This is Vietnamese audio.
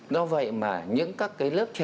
do vậy mà những các lớp trẻ